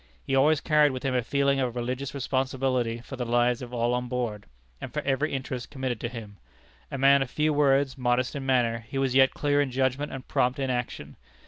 He always carried with him a feeling of religious responsibility for the lives of all on board, and for every interest committed to him. A man of few words, modest in manner, he was yet clear in judgment and prompt in action.